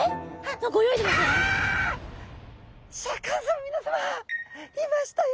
シャーク香音さま皆さまいましたよ！